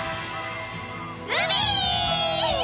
海！